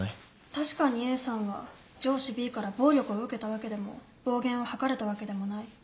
確かにＡさんは上司Ｂから暴力を受けたわけでも暴言を吐かれたわけでもない。